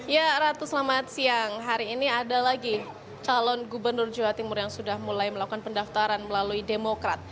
ya ratu selamat siang hari ini ada lagi calon gubernur jawa timur yang sudah mulai melakukan pendaftaran melalui demokrat